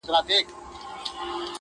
o بزې مېږي ته ويل کونه دي ښکاره سوه!